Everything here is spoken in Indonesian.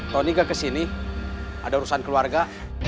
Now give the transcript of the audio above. tony gak kesini ada urusan keluarga